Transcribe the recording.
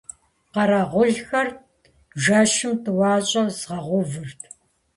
Къэрэгъулхэр жэщым тӀуащӀэу згъэувырт.